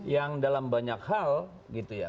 yang dalam banyak hal gitu ya